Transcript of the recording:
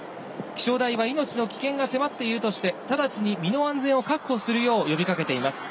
気象台は命の危険が迫っているとして直ちに身の安全を確保するよう呼びかけています。